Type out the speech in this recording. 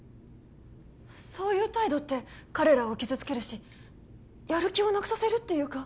そういう態度って彼らを傷つけるしやる気をなくさせるっていうか